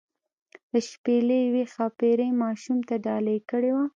دا شپیلۍ یوې ښاپیرۍ ماشوم ته ډالۍ کړې وه.